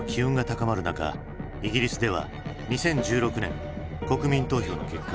イギリスでは２０１６年国民投票の結果